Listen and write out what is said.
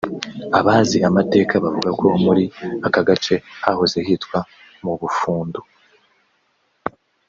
Abazi amateka bavuga ko muri aka gace hahoze hitwa mu Bufundu